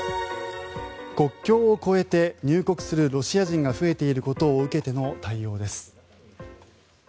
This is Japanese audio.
国境を越えて入国するロシア人が増えていることを受けての対応です。